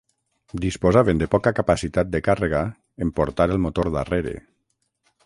Disposaven de poca capacitat de càrrega en portar el motor darrere.